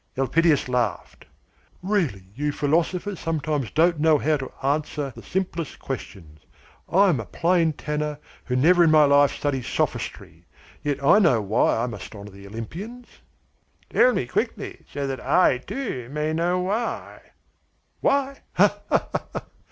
'" Elpidias laughed. "Really you philosophers sometimes don't know how to answer the simplest questions. I'm a plain tanner who never in my life studied sophistry, yet I know why I must honour the Olympians." "Tell me quickly, so that I, too, may know why." "Why? Ha! Ha!